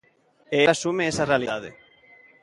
E el asume esa realidade.